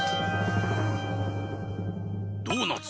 ドーナツ。